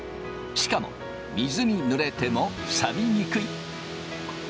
しかも水にぬれてもさびにくい。